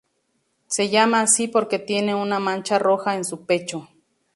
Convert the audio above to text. Se llama así porque tiene una mancha roja en su pecho.